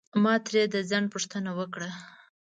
ما ترې د ځنډ پوښتنه وکړه.